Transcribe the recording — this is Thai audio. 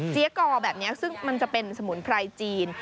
กอแบบนี้ซึ่งมันจะเป็นสมุนไพรจีน